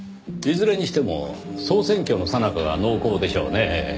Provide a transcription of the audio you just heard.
いずれにしても総選挙のさなかが濃厚でしょうねぇ。